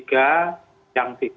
dan orang dari pol pp